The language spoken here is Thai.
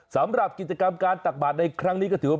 สำหรับกิจกรรมการตักบาดในครั้งนี้ก็ถือว่า